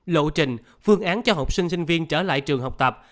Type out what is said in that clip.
lộ trình phương án cho học sinh sinh viên trở lại trường học tập